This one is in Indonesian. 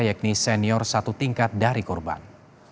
yakni senior satu tingkat dari korban